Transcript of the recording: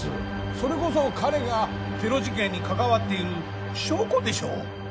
それこそ彼がテロ事件に関わっている証拠でしょう